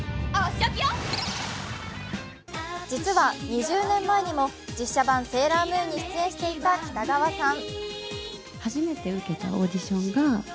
実は２０年前にも実写版「セーラームーン」に出演していた北川さん。